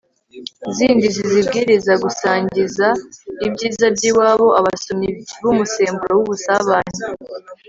zindi zizibwiriza gusangiza ibyiza by'iwabo abasomyi b'umusemburo w'ubusabane